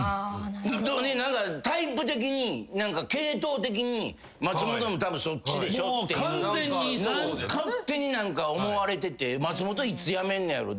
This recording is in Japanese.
何かタイプ的に系統的に「松本もたぶんそっちでしょ」っていう勝手に何か思われてて「松本いつ辞めんねやろ」